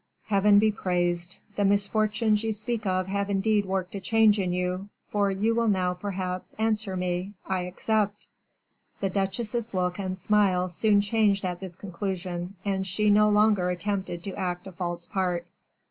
Heaven be praised! The misfortunes you speak of have indeed worked a change in you, for you will now, perhaps, answer me, 'I accept.'" The duchesse's look and smile soon changed at this conclusion, and she no longer attempted to act a false part.